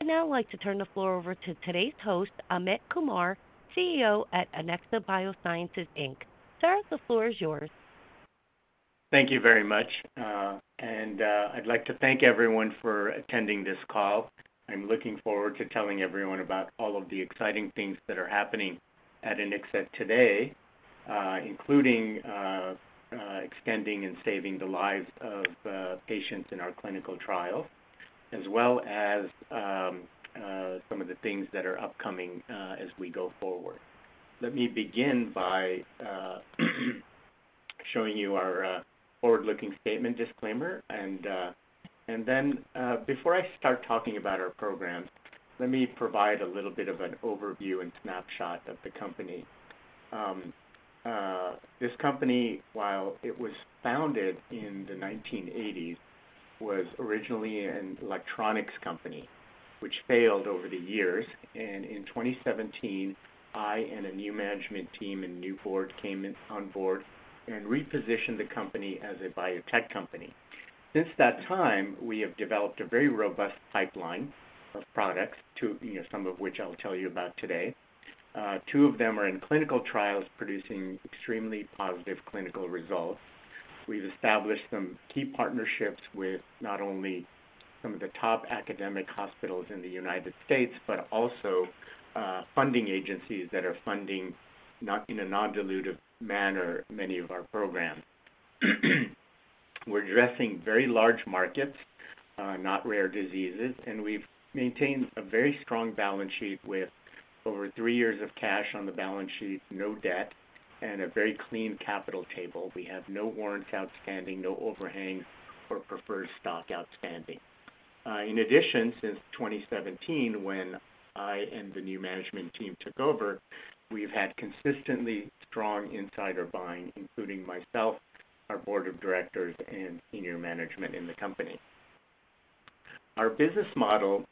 I'd now like to turn the floor over to today's host, Amit Kumar, CEO at Anixa Biosciences, Inc. Sir, the floor is yours. Thank you very much, and I'd like to thank everyone for attending this call. I'm looking forward to telling everyone about all of the exciting things that are happening at Anixa today, including extending and saving the lives of patients in our clinical trials, as well as some of the things that are upcoming as we go forward. Let me begin by showing you our forward-looking statement disclaimer, and then, before I start talking about our program, let me provide a little bit of an overview and snapshot of the company. This company, while it was founded in the 1980s, was originally an electronics company, which failed over the years, and in 2017, I and a new management team and new board came on board and repositioned the company as a biotech company. Since that time, we have developed a very robust pipeline of products, some of which I'll tell you about today. Two of them are in clinical trials, producing extremely positive clinical results. We've established some key partnerships with not only some of the top academic hospitals in the United States, but also funding agencies that are funding, in a non-dilutive manner, many of our programs. We're addressing very large markets, not rare diseases, and we've maintained a very strong balance sheet with over three years of cash on the balance sheet, no debt, and a very clean capital table. We have no warrants outstanding, no overhang, or preferred stock outstanding. In addition, since 2017, when I and the new management team took over, we've had consistently strong insider buying, including myself, our board of directors, and senior management in the company. Our business model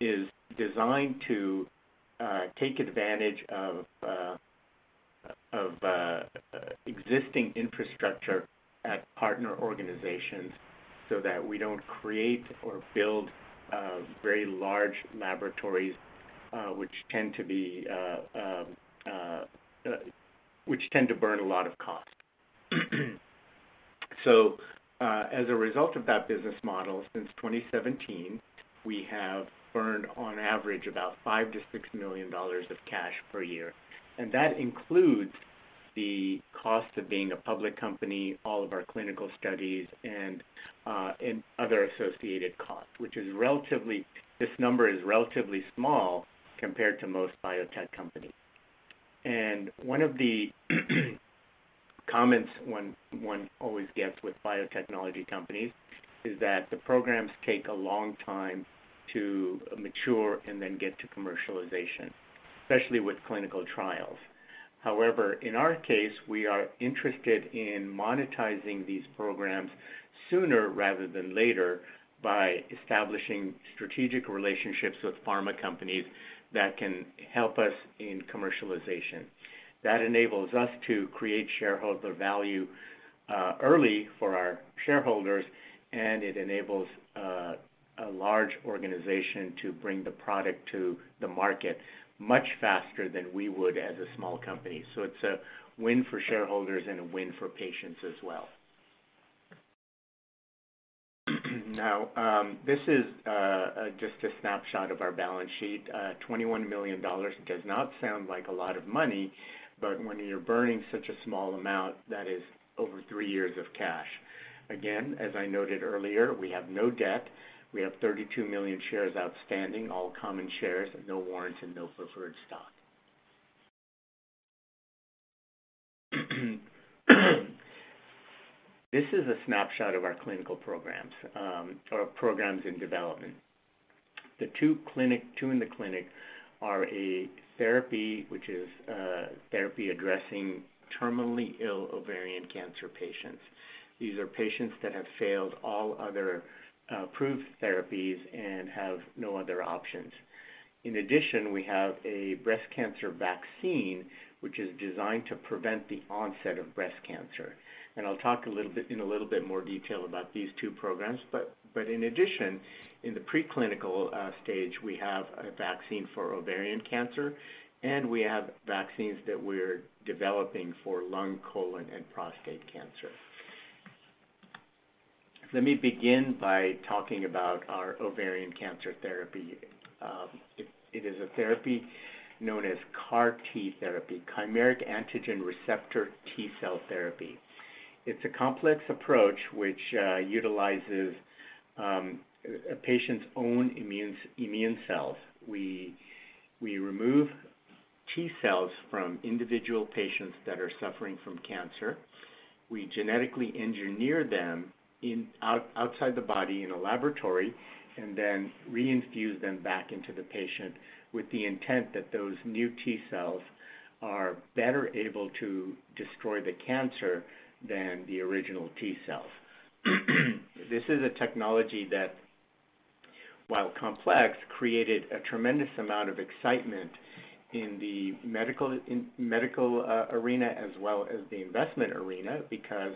is designed to take advantage of existing infrastructure at partner organizations so that we don't create or build very large laboratories, which tend to burn a lot of cost. So, as a result of that business model, since 2017, we have burned, on average, about $5-$6 million of cash per year. And that includes the cost of being a public company, all of our clinical studies, and other associated costs, which is relatively, this number is relatively small compared to most biotech companies. And one of the comments one always gets with biotechnology companies is that the programs take a long time to mature and then get to commercialization, especially with clinical trials. However, in our case, we are interested in monetizing these programs sooner rather than later by establishing strategic relationships with pharma companies that can help us in commercialization. That enables us to create shareholder value early for our shareholders, and it enables a large organization to bring the product to the market much faster than we would as a small company. So it's a win for shareholders and a win for patients as well. Now, this is just a snapshot of our balance sheet. $21 million does not sound like a lot of money, but when you're burning such a small amount, that is over three years of cash. Again, as I noted earlier, we have no debt. We have 32 million shares outstanding, all common shares, no warrants, and no preferred stock. This is a snapshot of our clinical programs or programs in development. The two in the clinic are a therapy, which is therapy addressing terminally ill ovarian cancer patients. These are patients that have failed all other approved therapies and have no other options. In addition, we have a breast cancer vaccine, which is designed to prevent the onset of breast cancer, and I'll talk in a little bit more detail about these two programs, but in addition, in the preclinical stage, we have a vaccine for ovarian cancer, and we have vaccines that we're developing for lung, colon, and prostate cancer. Let me begin by talking about our ovarian cancer therapy. It is a therapy known as CAR-T therapy, chimeric antigen receptor T-cell therapy. It's a complex approach which utilizes a patient's own immune cells. We remove T-cells from individual patients that are suffering from cancer. We genetically engineer them outside the body in a laboratory and then re-infuse them back into the patient with the intent that those new T-cells are better able to destroy the cancer than the original T-cells. This is a technology that, while complex, created a tremendous amount of excitement in the medical arena as well as the investment arena because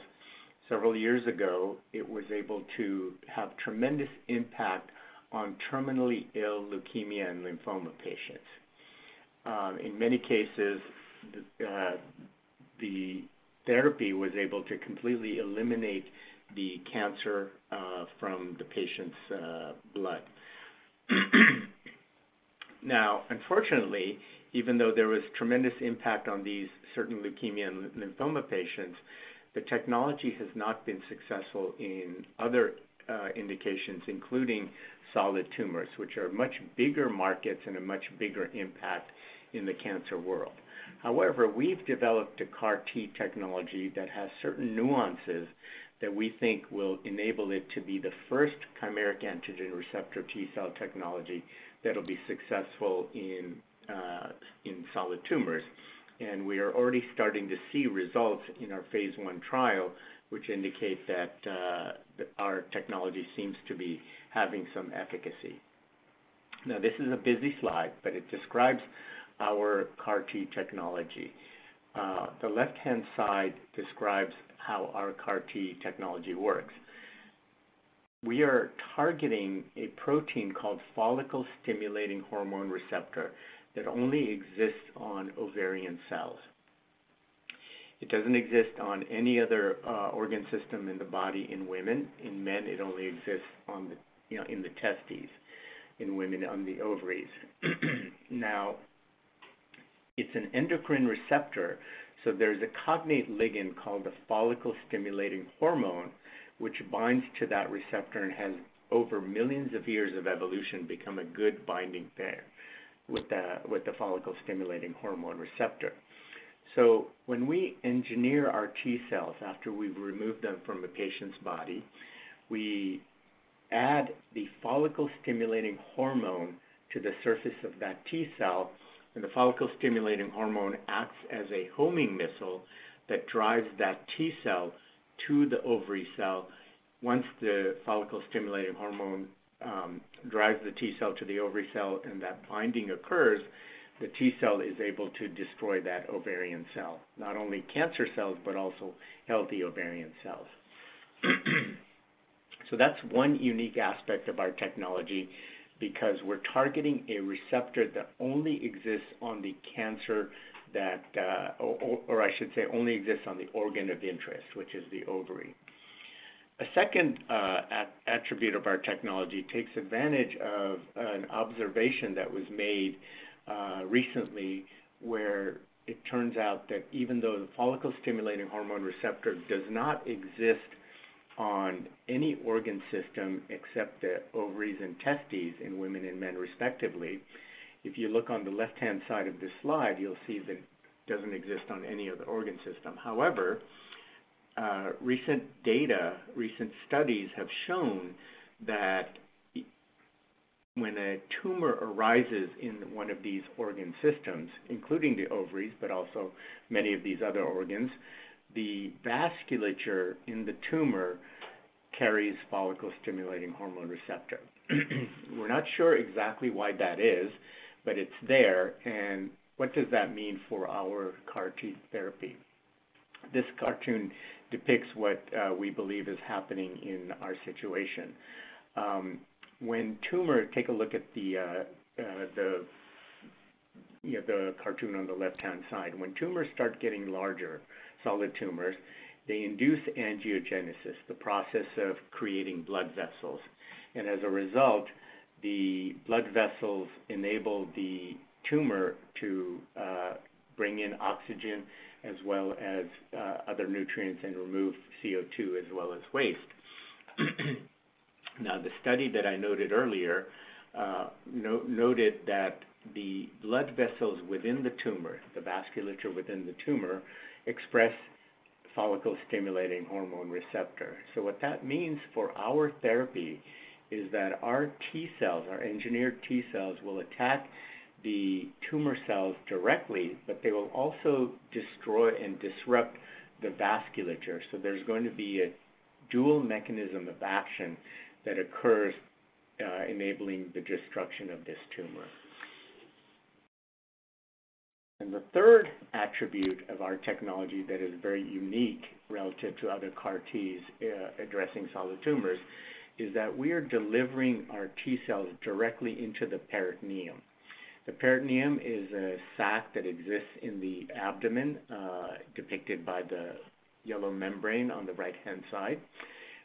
several years ago, it was able to have tremendous impact on terminally ill leukemia and lymphoma patients. In many cases, the therapy was able to completely eliminate the cancer from the patient's blood. Now, unfortunately, even though there was tremendous impact on these certain leukemia and lymphoma patients, the technology has not been successful in other indications, including solid tumors, which are much bigger markets and a much bigger impact in the cancer world. However, we've developed a CAR-T technology that has certain nuances that we think will enable it to be the first chimeric antigen receptor T-cell technology that will be successful in solid tumors. We are already starting to see results in our Phase 1 trial, which indicate that our technology seems to be having some efficacy. Now, this is a busy slide, but it describes our CAR-T technology. The left-hand side describes how our CAR-T technology works. We are targeting a protein called follicle-stimulating hormone receptor that only exists on ovarian cells. It doesn't exist on any other organ system in the body in women. In men, it only exists in the testes, in women, on the ovaries. Now, it's an endocrine receptor, so there's a cognate ligand called the follicle-stimulating hormone, which binds to that receptor and has, over millions of years of evolution, become a good binding pair with the follicle-stimulating hormone receptor. So when we engineer our T-cells after we've removed them from a patient's body, we add the follicle-stimulating hormone to the surface of that T-cell, and the follicle-stimulating hormone acts as a homing missile that drives that T-cell to the ovarian cell. Once the follicle-stimulating hormone drives the T-cell to the ovarian cell and that binding occurs, the T-cell is able to destroy that ovarian cell, not only cancer cells, but also healthy ovarian cells. So that's one unique aspect of our technology because we're targeting a receptor that only exists on the cancer that, or I should say, only exists on the organ of interest, which is the ovary. A second attribute of our technology takes advantage of an observation that was made recently where it turns out that even though the follicle-stimulating hormone receptor does not exist on any organ system except the ovaries and testes in women and men, respectively, if you look on the left-hand side of this slide, you'll see that it doesn't exist on any other organ system. However, recent data, recent studies have shown that when a tumor arises in one of these organ systems, including the ovaries, but also many of these other organs, the vasculature in the tumor carries follicle-stimulating hormone receptor. We're not sure exactly why that is, but it's there. And what does that mean for our CAR-T therapy? This cartoon depicts what we believe is happening in our situation. Take a look at the cartoon on the left-hand side. When tumors start getting larger, solid tumors, they induce angiogenesis, the process of creating blood vessels. And as a result, the blood vessels enable the tumor to bring in oxygen as well as other nutrients and remove CO2 as well as waste. Now, the study that I noted earlier noted that the blood vessels within the tumor, the vasculature within the tumor, express follicle-stimulating hormone receptor. So what that means for our therapy is that our T-cells, our engineered T-cells, will attack the tumor cells directly, but they will also destroy and disrupt the vasculature. So there's going to be a dual mechanism of action that occurs, enabling the destruction of this tumor. And the third attribute of our technology that is very unique relative to other CAR-Ts addressing solid tumors is that we are delivering our T-cells directly into the peritoneum. The peritoneum is a sac that exists in the abdomen, depicted by the yellow membrane on the right-hand side.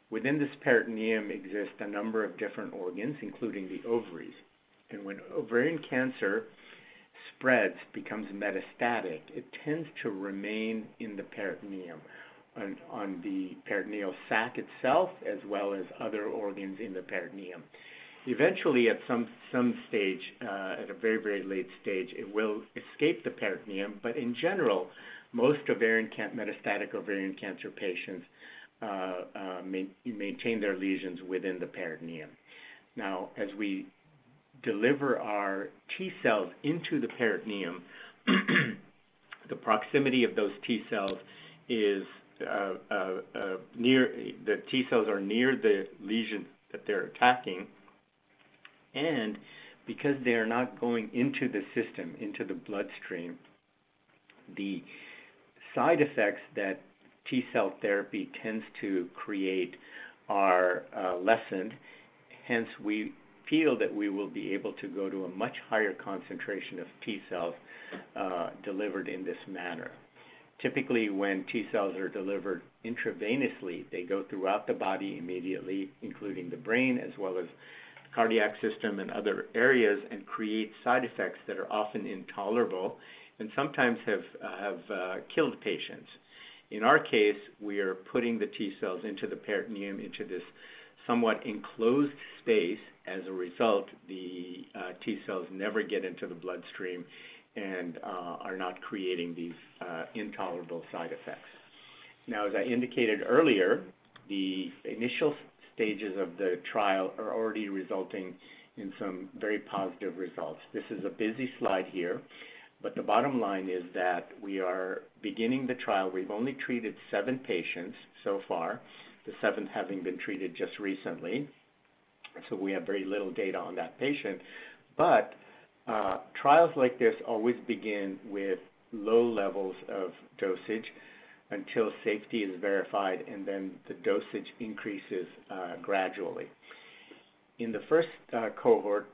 Within this peritoneum exist a number of different organs, including the ovaries, and when ovarian cancer spreads, becomes metastatic, it tends to remain in the peritoneum, on the peritoneal sac itself, as well as other organs in the peritoneum. Eventually, at some stage, at a very, very late stage, it will escape the peritoneum, but in general, most metastatic ovarian cancer patients maintain their lesions within the peritoneum. Now, as we deliver our T-cells into the peritoneum, the proximity of those T-cells, the T-cells are near the lesion that they're attacking, and because they are not going into the system, into the bloodstream, the side effects that T-cell therapy tends to create are lessened. Hence, we feel that we will be able to go to a much higher concentration of T-cells delivered in this manner. Typically, when T-cells are delivered intravenously, they go throughout the body immediately, including the brain as well as the cardiac system and other areas, and create side effects that are often intolerable and sometimes have killed patients. In our case, we are putting the T-cells into the peritoneum, into this somewhat enclosed space. As a result, the T-cells never get into the bloodstream and are not creating these intolerable side effects. Now, as I indicated earlier, the initial stages of the trial are already resulting in some very positive results. This is a busy slide here, but the bottom line is that we are beginning the trial. We've only treated seven patients so far, the seventh having been treated just recently. We have very little data on that patient. Trials like this always begin with low levels of dosage until safety is verified, and then the dosage increases gradually. In the first cohort,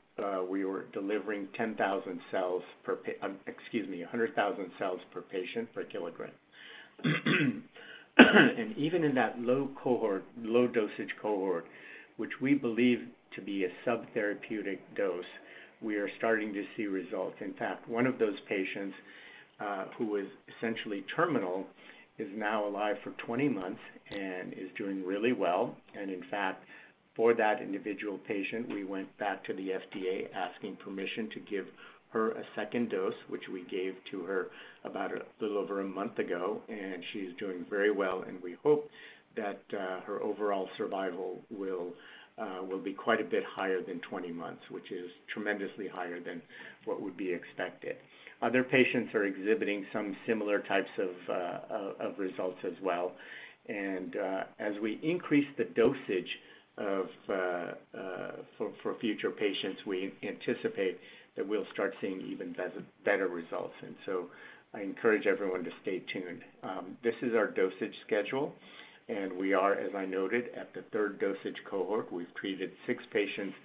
we were delivering 10,000 cells per, excuse me, 100,000 cells per patient per kilogram. Even in that low-dosage cohort, which we believe to be a subtherapeutic dose, we are starting to see results. In fact, one of those patients who was essentially terminal is now alive for 20 months and is doing really well. In fact, for that individual patient, we went back to the FDA asking permission to give her a second dose, which we gave to her about a little over a month ago. She is doing very well, and we hope that her overall survival will be quite a bit higher than 20 months, which is tremendously higher than what would be expected. Other patients are exhibiting some similar types of results as well. And as we increase the dosage for future patients, we anticipate that we'll start seeing even better results. And so I encourage everyone to stay tuned. This is our dosage schedule, and we are, as I noted, at the third dosage cohort. We've treated six patients: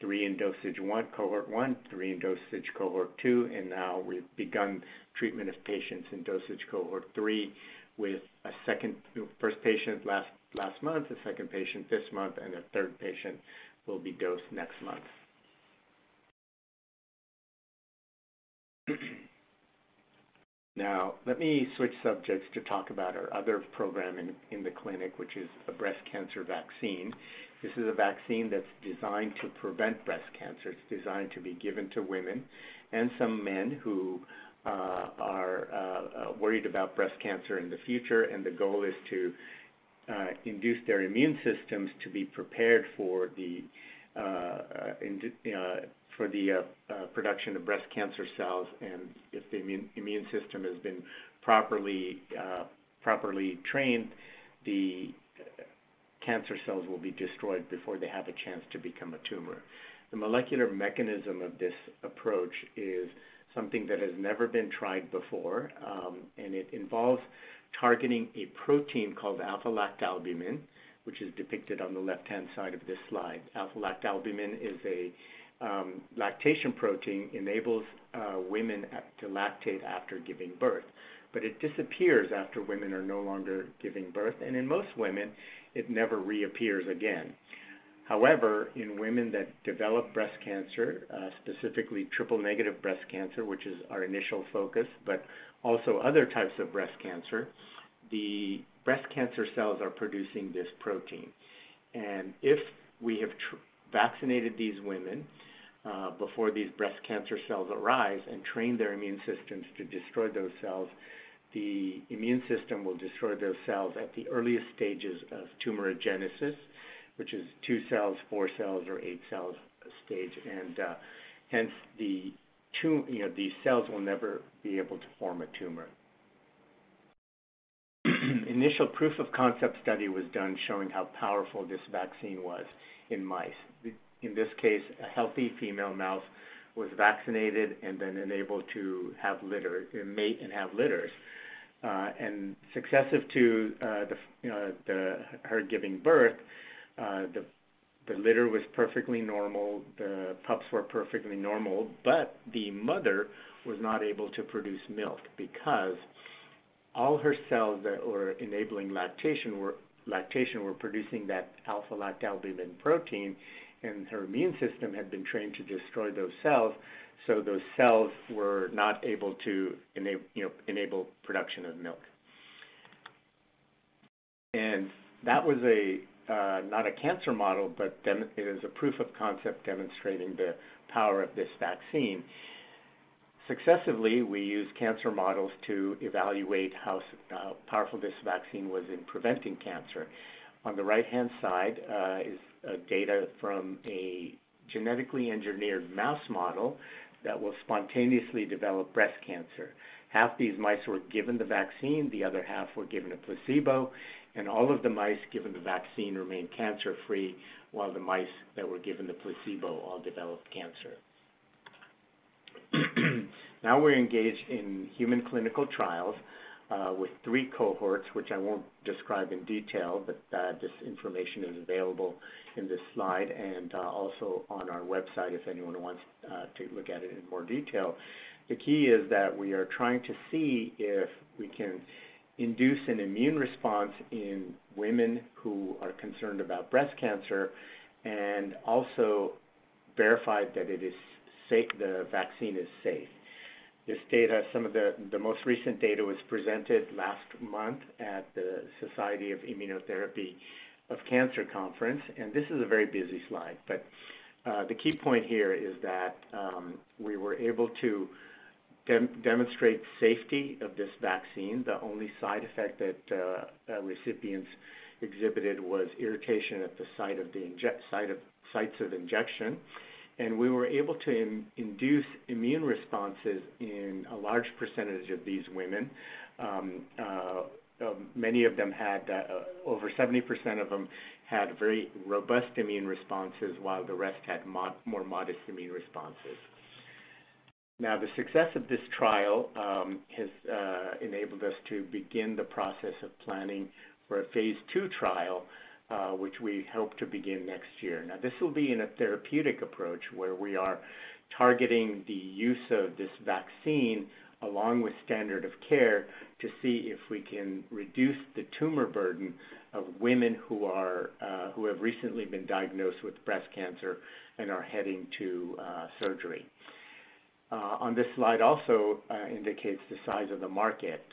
three in dosage cohort one, three in dosage cohort two, and now we've begun treatment of patients in dosage cohort three with the first patient last month, the second patient this month, and the third patient will be dosed next month. Now, let me switch subjects to talk about our other program in the clinic, which is a breast cancer vaccine. This is a vaccine that's designed to prevent breast cancer. It's designed to be given to women and some men who are worried about breast cancer in the future, and the goal is to induce their immune systems to be prepared for the production of breast cancer cells, and if the immune system has been properly trained, the cancer cells will be destroyed before they have a chance to become a tumor. The molecular mechanism of this approach is something that has never been tried before, and it involves targeting a protein called alpha-lactalbumin, which is depicted on the left-hand side of this slide. Alpha-lactalbumin is a lactation protein that enables women to lactate after giving birth, but it disappears after women are no longer giving birth, and in most women, it never reappears again. However, in women that develop breast cancer, specifically triple-negative breast cancer, which is our initial focus, but also other types of breast cancer, the breast cancer cells are producing this protein, and if we have vaccinated these women before these breast cancer cells arise and trained their immune systems to destroy those cells, the immune system will destroy those cells at the earliest stages of tumorigenesis, which is two cells, four cells, or eight cells stage, and hence, these cells will never be able to form a tumor. Initial proof-of-concept study was done showing how powerful this vaccine was in mice. In this case, a healthy female mouse was vaccinated and then enabled to mate and have litters, and successive to her giving birth, the litter was perfectly normal. The pups were perfectly normal, but the mother was not able to produce milk because all her cells that were enabling lactation were producing that alpha-lactalbumin protein, and her immune system had been trained to destroy those cells. So those cells were not able to enable production of milk, and that was not a cancer model, but it is a proof-of-concept demonstrating the power of this vaccine. Successively, we used cancer models to evaluate how powerful this vaccine was in preventing cancer. On the right-hand side is data from a genetically engineered mouse model that will spontaneously develop breast cancer. Half these mice were given the vaccine. The other half were given a placebo, and all of the mice given the vaccine remained cancer-free, while the mice that were given the placebo all developed cancer. Now we're engaged in human clinical trials with three cohorts, which I won't describe in detail, but this information is available in this slide and also on our website if anyone wants to look at it in more detail. The key is that we are trying to see if we can induce an immune response in women who are concerned about breast cancer and also verify that the vaccine is safe. Some of the most recent data was presented last month at the Society for Immunotherapy of Cancer Conference, and this is a very busy slide, but the key point here is that we were able to demonstrate safety of this vaccine. The only side effect that recipients exhibited was irritation at the sites of injection, and we were able to induce immune responses in a large percentage of these women. Over 70% of them had very robust immune responses, while the rest had more modest immune responses. Now, the success of this trial has enabled us to begin the process of planning for a Phase 2 trial, which we hope to begin next year. Now, this will be in a therapeutic approach where we are targeting the use of this vaccine along with standard of care to see if we can reduce the tumor burden of women who have recently been diagnosed with breast cancer and are heading to surgery. On this slide also indicates the size of the market.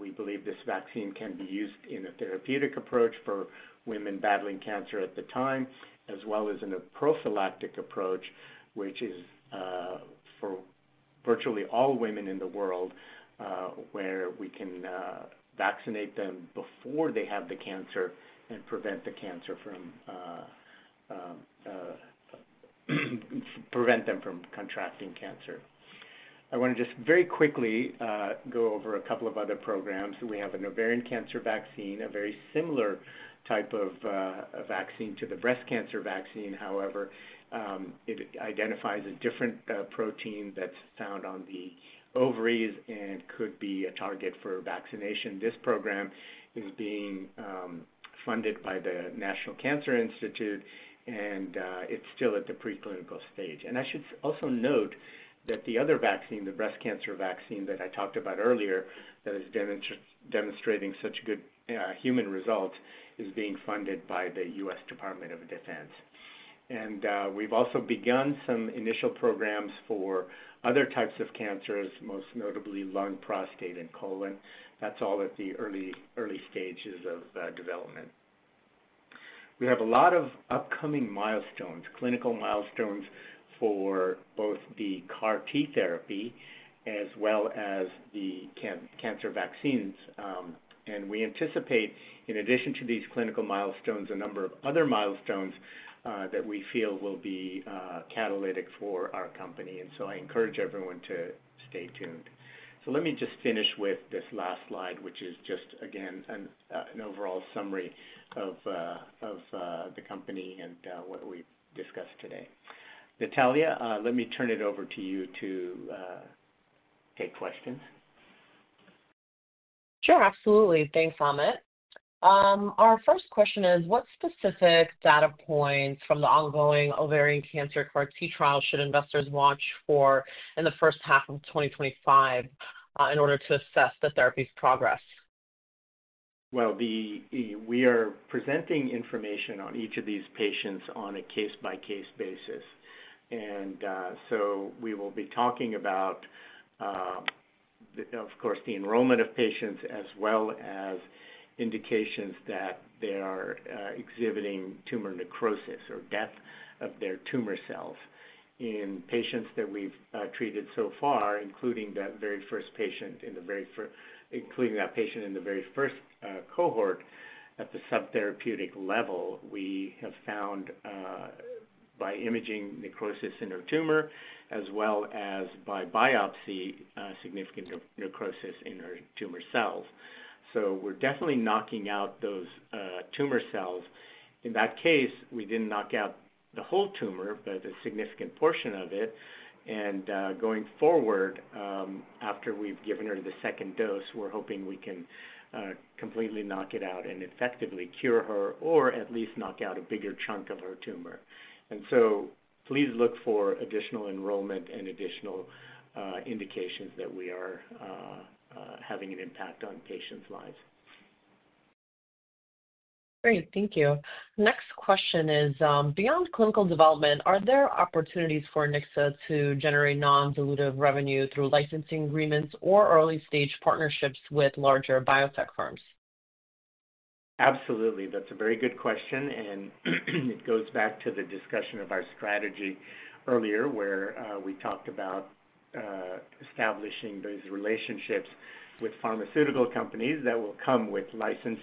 We believe this vaccine can be used in a therapeutic approach for women battling cancer at the time, as well as in a prophylactic approach, which is for virtually all women in the world, where we can vaccinate them before they have the cancer and prevent them from contracting cancer. I want to just very quickly go over a couple of other programs. We have an ovarian cancer vaccine, a very similar type of vaccine to the breast cancer vaccine. However, it identifies a different protein that's found on the ovaries and could be a target for vaccination. This program is being funded by the National Cancer Institute, and it's still at the preclinical stage. I should also note that the other vaccine, the breast cancer vaccine that I talked about earlier that is demonstrating such good human results is being funded by the U.S. Department of Defense. We've also begun some initial programs for other types of cancers, most notably lung, prostate, and colon. That's all at the early stages of development. We have a lot of upcoming milestones, clinical milestones for both the CAR-T therapy as well as the cancer vaccines. We anticipate, in addition to these clinical milestones, a number of other milestones that we feel will be catalytic for our company. I encourage everyone to stay tuned. Let me just finish with this last slide, which is just, again, an overall summary of the company and what we've discussed today. Nataliya, let me turn it over to you to take questions. Sure. Absolutely. Thanks, Amit. Our first question is, what specific data points from the ongoing ovarian cancer CAR-T trial should investors watch for in the first half of 2025 in order to assess the therapy's progress? We are presenting information on each of these patients on a case-by-case basis. And so we will be talking about, of course, the enrollment of patients as well as indications that they are exhibiting tumor necrosis or death of their tumor cells. In patients that we've treated so far, including that very first patient in the very first cohort at the subtherapeutic level, we have found by imaging necrosis in her tumor as well as by biopsy significant necrosis in her tumor cells. So we're definitely knocking out those tumor cells. In that case, we didn't knock out the whole tumor, but a significant portion of it. And going forward, after we've given her the second dose, we're hoping we can completely knock it out and effectively cure her or at least knock out a bigger chunk of her tumor. And so please look for additional enrollment and additional indications that we are having an impact on patients' lives. Great. Thank you. Next question is, beyond clinical development, are there opportunities for Anixa to generate non-dilutive revenue through licensing agreements or early-stage partnerships with larger biotech firms? Absolutely. That's a very good question. And it goes back to the discussion of our strategy earlier where we talked about establishing those relationships with pharmaceutical companies that will come with license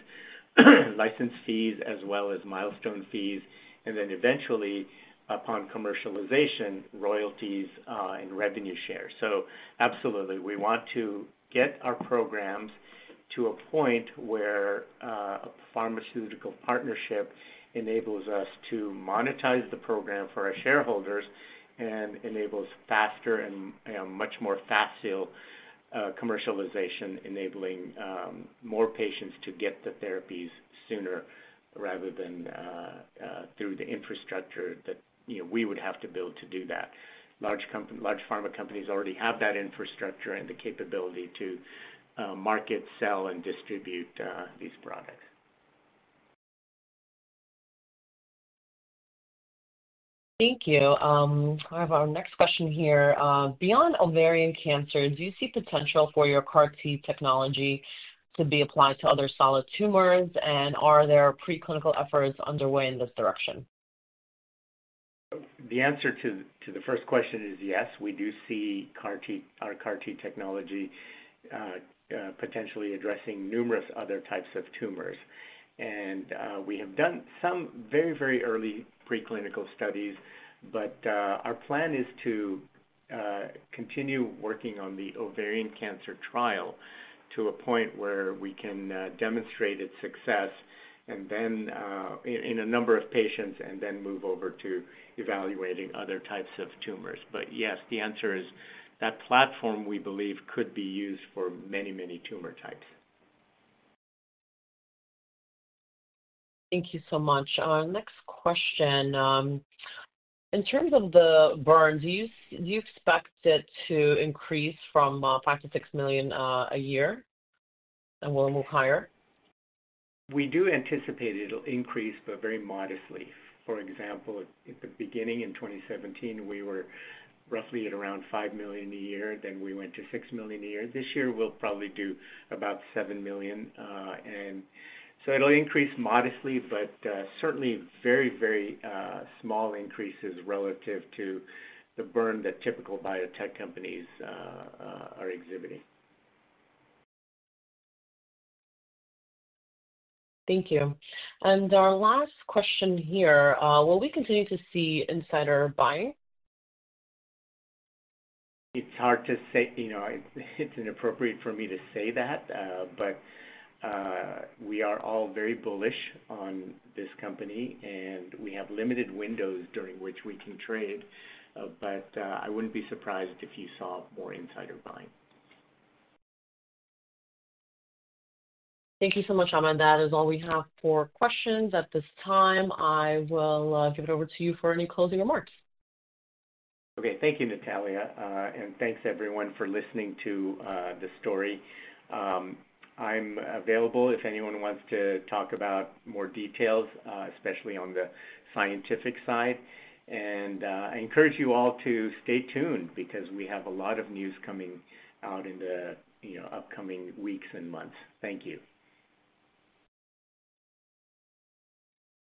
fees as well as milestone fees, and then eventually, upon commercialization, royalties and revenue shares. So absolutely, we want to get our programs to a point where a pharmaceutical partnership enables us to monetize the program for our shareholders and enables faster and much more facile commercialization, enabling more patients to get the therapies sooner rather than through the infrastructure that we would have to build to do that. Large pharma companies already have that infrastructure and the capability to market, sell, and distribute these products. Thank you. I have our next question here. Beyond ovarian cancer, do you see potential for your CAR-T technology to be applied to other solid tumors? And are there preclinical efforts underway in this direction? The answer to the first question is yes. We do see our CAR-T technology potentially addressing numerous other types of tumors, and we have done some very, very early preclinical studies, but our plan is to continue working on the ovarian cancer trial to a point where we can demonstrate its success in a number of patients and then move over to evaluating other types of tumors, but yes, the answer is that platform, we believe, could be used for many, many tumor types. Thank you so much. Our next question. In terms of the burn, do you expect it to increase from $5 million-$6 million a year and will it move higher? We do anticipate it'll increase, but very modestly. For example, at the beginning in 2017, we were roughly at around $5 million a year. Then we went to $6 million a year. This year, we'll probably do about $7 million. And so it'll increase modestly, but certainly very, very small increases relative to the burn that typical biotech companies are exhibiting. Thank you. And our last question here. Will we continue to see insider buying? It's hard to say. It's inappropriate for me to say that, but we are all very bullish on this company, and we have limited windows during which we can trade. But I wouldn't be surprised if you saw more insider buying. Thank you so much, Amit. That is all we have for questions at this time. I will give it over to you for any closing remarks. Okay. Thank you, Nataliya. And thanks, everyone, for listening to the story. I'm available if anyone wants to talk about more details, especially on the scientific side. And I encourage you all to stay tuned because we have a lot of news coming out in the upcoming weeks and months. Thank you.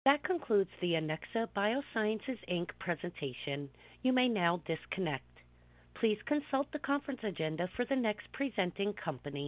That concludes the Anixa Biosciences, Inc. presentation. You may now disconnect. Please consult the conference agenda for the next presenting company.